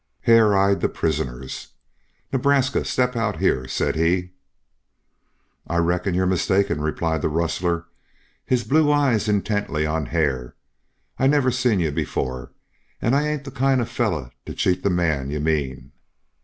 Hare eyed the prisoners. "Nebraska, step out here," said he. "I reckon you're mistaken," replied the rustler, his blue eyes intently on Hare. "I never seen you before. An' I ain't the kind of a feller to cheat the man you mean."